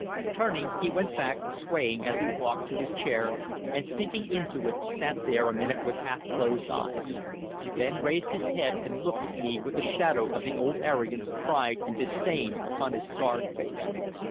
Turning, he went back, swaying as he walked, to his chair, and sinking into it sat there a minute with half closed eyes; then raised his head and looked at me, with a shadow of the old arrogance, pride, and disdain upon his scarred face.